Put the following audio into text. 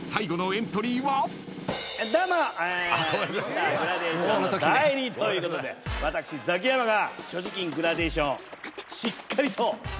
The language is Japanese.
Ｍｒ．グラデーションの代理ということで私ザキヤマが所持金グラデーションしっかりと。